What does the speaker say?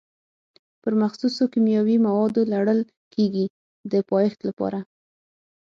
پر مخصوصو کیمیاوي موادو لړل کېږي د پایښت لپاره.